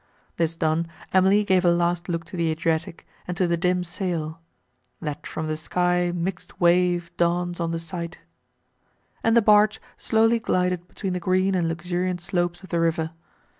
This done, Emily gave a last look to the Adriatic, and to the dim sail, that from the sky mix'd wave Dawns on the sight, and the barge slowly glided between the green and luxuriant slopes of the river.